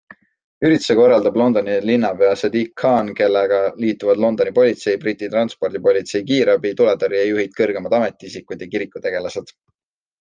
Ürituse korraldab Londoni linnapea Sadiq Khan, kellega liituvad Londoni politsei, Briti transpordipolitsei, kiirabi, tuletõrje juhid, kõrgemad ametiisikud ja kirikutegelased.